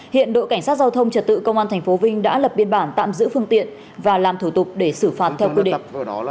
hiện đội cảnh sát giao thông trật tự công an tp vinh đã lập biên bản tạm giữ phương tiện và làm thủ tục để xử phạt theo quy định